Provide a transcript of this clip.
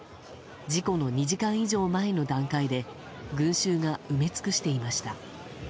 事故の２時間以上前の段階で群衆が埋め尽くしていました。